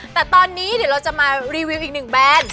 แต่ตอนนี้เดี๋ยวเราจะมารีวิวอีกหนึ่งแบรนด์